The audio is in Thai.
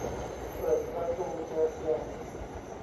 เปิดประตูเจอเตียง